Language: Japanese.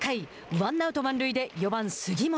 ワンアウト、満塁で４番杉本。